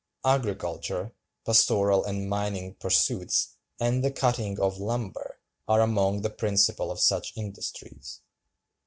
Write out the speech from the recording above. Agriculture, pastoral and mining pursuits, and the cutting of lumber, are among the principal of such industries."